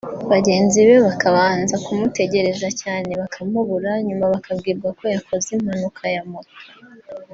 bagenzi be bakabanza kumutegereza cyane bakamubura nyuma bakabwirwa ko yakoze impanuka ya moto